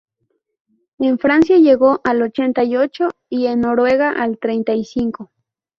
En Francia llegó al ochenta y ocho y en Noruega al treinta y cinco.